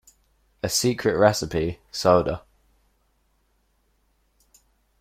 A "Secret Recipe" soda.